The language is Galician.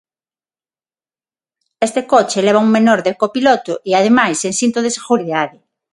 Este coche leva un menor de copiloto e, ademais, sen cinto de seguridade.